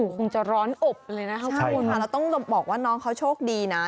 คงจะร้อนอบเลยนะครับคุณค่ะแล้วต้องบอกว่าน้องเขาโชคดีนะ